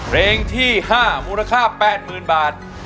เรงที่๕มูลค่า๘หมื่นบาท